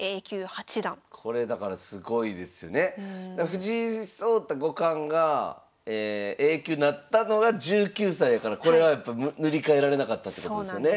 藤井聡太五冠がＡ級になったのが１９歳やからこれはやっぱ塗り替えられなかったということですよね。